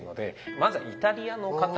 まずはイタリアの方です。